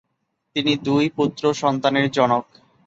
তিনি দুই পুত্র সন্তানের জনক।